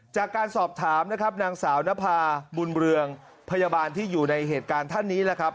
จากการสอบถามนะครับนางสาวนภาบุญเรืองพยาบาลที่อยู่ในเหตุการณ์ท่านนี้แหละครับ